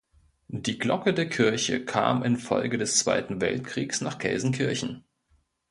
Die Glocke der Kirche kam in Folge des Zweiten Weltkriegs nach Gelsenkirchen.